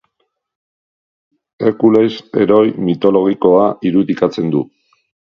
Herkules heroi mitologikoa irudikatzen du.